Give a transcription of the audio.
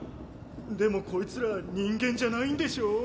でもこいつら人間じゃないんでしょ？